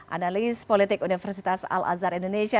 analis politik universitas al azhar indonesia